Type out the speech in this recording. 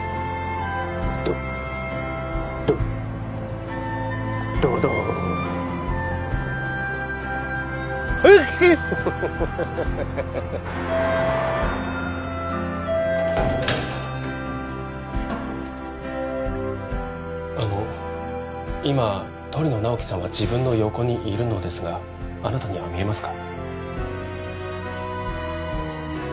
ドドドドーンあの今鳥野直木さんは自分の横にいるのですがあなたには見えますか？